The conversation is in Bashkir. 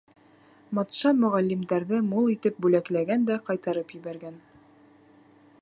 Батша мөғәллимдәрҙе мул итеп бүләкләгән дә ҡайтарып ебәргән.